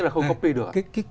tức là không copy được